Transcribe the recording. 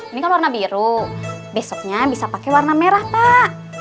ini kan warna biru besoknya bisa pakai warna merah pak